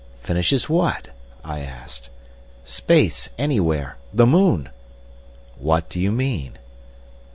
"Finishes what?" I asked. "Space—anywhere! The moon." "What do you mean?"